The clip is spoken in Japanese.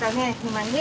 今ね。